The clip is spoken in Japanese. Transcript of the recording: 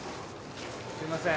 すみません